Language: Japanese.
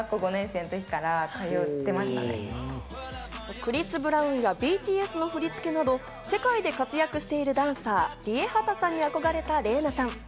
クリス・ブラウンやＢＴＳの振り付けなど、世界で活躍しているダンサー、ＲＩＥＨＡＴＡさんに憧れたＲｅｉＮａさん。